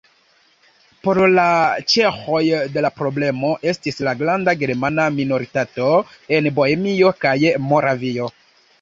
Por la ĉeĥoj la problemo estis la granda germana minoritato en Bohemio kaj Moravio.